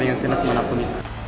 dengan senes manapun